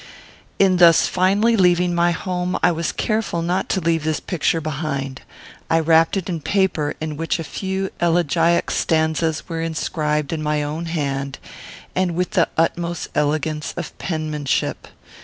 In thus finally leaving my home, I was careful not to leave this picture behind. I wrapped it in paper in which a few elegiac stanzas were inscribed in my own hand, and with my utmost elegance of penmanship.